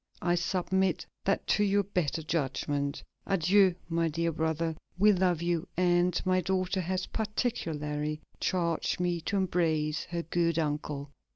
I submit that to your better judgment.... Adieu, my dear brother; we love you, and my daughter has particularly charged me to embrace her good uncle."